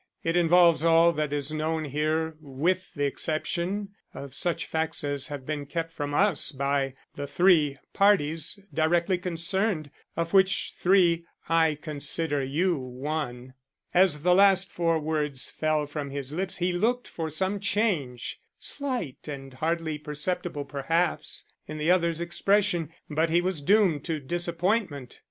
It involves all that is known here with the exception of such facts as have been kept from us by the three parties directly concerned of which three I consider you one." As the last four words fell from his lips he looked for some change, slight and hardly perceptible perhaps, in the other's expression. But he was doomed to disappointment.